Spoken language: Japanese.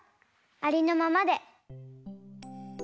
ありのまま。